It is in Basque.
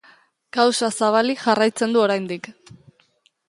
Kausa zabalik jarraitzen du oraindik.